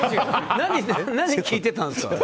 何を聞いてたんですか！